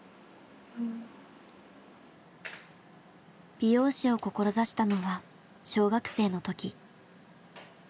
美容師を志したのは小学生の時。